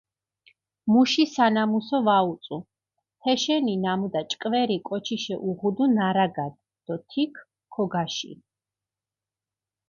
მუში სანამუსო ვაუწუ, თეშენი ნამუდა ჭკვერი კოჩიშე უღუდუ ნარაგადჷ დო თიქჷ ქოგაშინჷ.